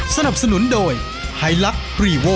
สนับสนุนโดยไฮลักษ์รีโว